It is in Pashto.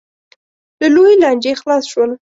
له لویې لانجې خلاص شول.